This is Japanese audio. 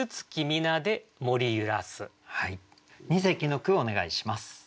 二席の句をお願いします。